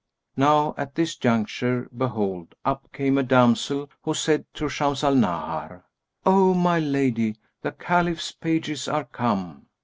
Now at this juncture, behold, up came a damsel, who said to Shams al Nahar, "O my lady, the Caliph's pages are come."